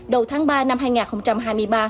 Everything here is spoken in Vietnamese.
đầu tháng ba năm hai nghìn hai mươi ba